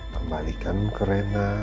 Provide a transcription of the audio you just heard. membalikan ke rena